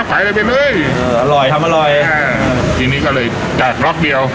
ขายเลยเป็นเลยเอออร่อยทำอร่อยอ่าทีนี้ก็เลยจากรอบเดียว